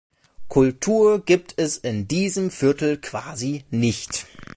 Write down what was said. Kultur gibt es in diesem Viertel quasi nicht.